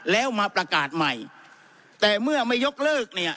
แล้วมาประกาศใหม่แต่เมื่อไม่ยกเลิกเนี่ย